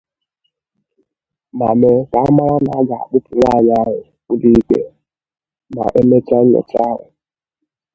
ma mee ka amara na a ga-akpụpụ nwaanyị ahụ ụlọikpe ma e mechaa nnyocha ahụ.